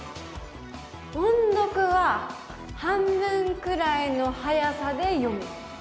「音読は半分くらいのはやさで読む」。